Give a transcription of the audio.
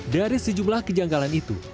dari sejumlah kejanggalan itu